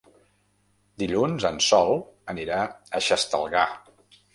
Dilluns en Sol anirà a Xestalgar.